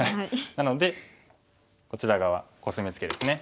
なのでこちら側コスミツケですね。